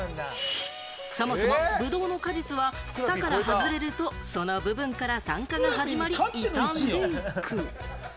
そもそも、ブドウの果実は、房から外れると、その部分から酸化が始まり、傷んでいく。